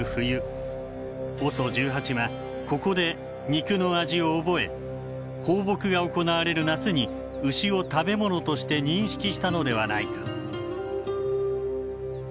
ＯＳＯ１８はここで肉の味を覚え放牧が行われる夏に牛を食べ物として認識したのではないか。